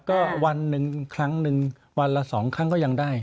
ก็วันหนึ่งครั้งหนึ่งวันละ๒ครั้งก็ยังได้